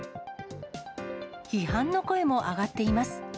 批判の声も上がっています。